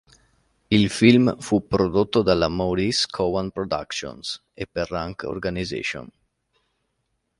Il film fu prodotto dalla Maurice Cowan Productions per Rank Organisation.